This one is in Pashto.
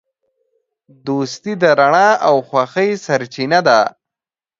دوستي د رڼا او خوښۍ سرچینه ده.